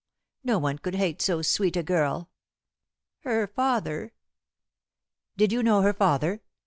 No one could hate so sweet a girl. Her father " "Did you know her father?"